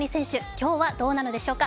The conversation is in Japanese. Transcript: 今日はどうなのでしょうか。